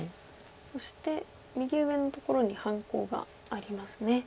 そして右上のところに半コウがありますね。